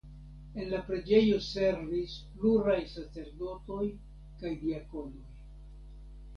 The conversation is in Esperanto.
En la preĝejo servis pluraj sacerdotoj kaj diakonoj.